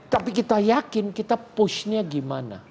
tapi kita yakin kita pushnya gimana